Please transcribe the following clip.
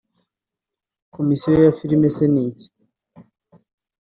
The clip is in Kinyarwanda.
Komisiyo ya filime se ni iki